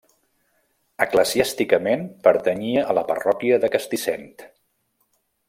Eclesiàsticament pertanyia a la parròquia de Castissent.